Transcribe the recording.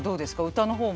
歌の方も。